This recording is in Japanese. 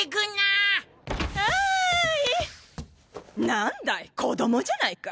何だい子供じゃないか。